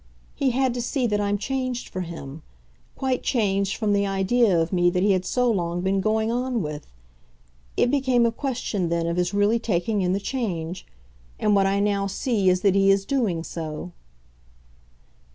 He had to see that I'm changed for him quite changed from the idea of me that he had so long been going on with. It became a question then of his really taking in the change and what I now see is that he is doing so."